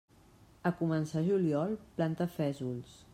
A començar juliol, planta fesols.